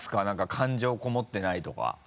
何か感情こもってないとか。